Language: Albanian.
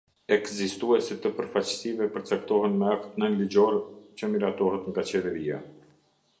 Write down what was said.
Ekzistuese të përfaqësive përcaktohen me akt nënligjor që miratohet nga Qeveria.